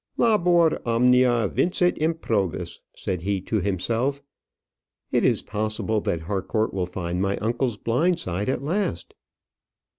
"Labor omnia vincit improbus" said he to himself. "It is possible that Harcourt will find my uncle's blind side at last."